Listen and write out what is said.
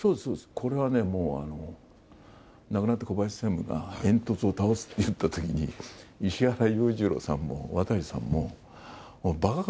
これはね、もう亡くなった小林専務が煙突を倒すって言ったときに、石原裕次郎さんも渡さんも、ばかか！